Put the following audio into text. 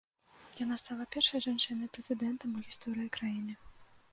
Яна стала першай жанчынай-прэзідэнтам у гісторыі краіны.